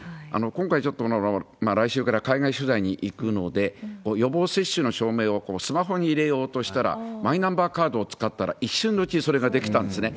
今回、ちょっと来週から海外取材に行くので、予防接種の証明をスマホに入れようとしたら、マイナンバーカードを使ったら、一瞬のうちにそれができたんですね。